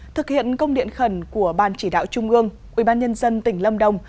thực hiện công điện khẩn của ban chỉ đạo trung ương ubnd tỉnh lâm đồng